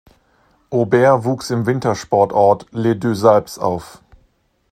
Aubert wuchs im Wintersportort Les Deux Alpes auf.